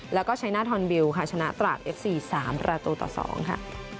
แล้วก็ชัยหน้าทอนบิลค่ะชนะตราดเอฟซี๓ประตูต่อ๒ค่ะ